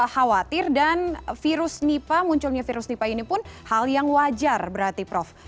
khawatir dan virus nipa munculnya virus nipah ini pun hal yang wajar berarti prof